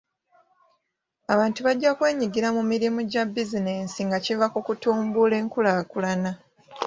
Abantu bajja kwenyigira mu mirimu gya bizinensi nga kiva mu kutumbula enkulaakulana.